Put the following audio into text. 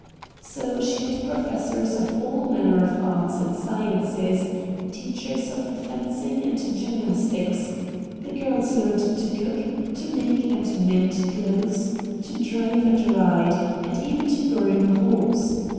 So she had professors of all manner of arts and sciences, teachers of fencing and gymnastics. The girls learned to cook, to make and mend clothes, to drive and ride, and even to groom a horse.